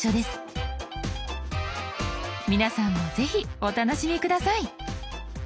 皆さんもぜひお楽しみ下さい。